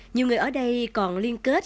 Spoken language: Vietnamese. nhiều người ở đây còn liên kết